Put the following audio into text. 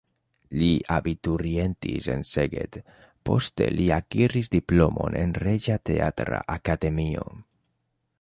Li abiturientis en Szeged, poste li akiris diplomon en Reĝa Teatra Akademio.